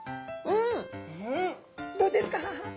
うんどうですか？